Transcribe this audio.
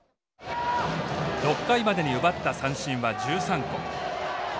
６回までに奪った三振は１３個。